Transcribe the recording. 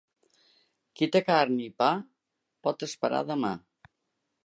Qui té carn i pa pot esperar demà.